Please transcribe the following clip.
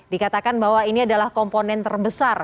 dikatakan bahwa ini adalah komponen terbesar